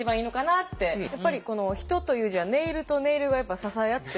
やっぱりこの「人」という字はネイルとネイルが支え合って。